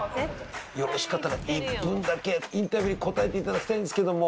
よろしかったら１分だけインタビュ―に答えていただきたいんですけども。